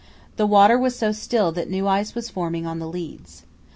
The water was so still that new ice was forming on the leads.